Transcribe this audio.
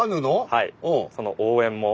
はい。